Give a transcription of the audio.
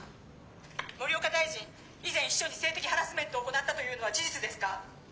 「森岡大臣以前秘書に性的ハラスメントを行ったというのは事実ですか？」。